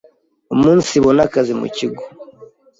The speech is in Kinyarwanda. umunsibona akazi mu Kigo